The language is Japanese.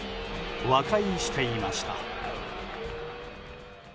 和解していました。